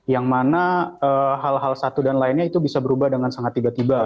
yang mana hal hal satu dan lainnya itu bisa berubah dengan sangat tiba tiba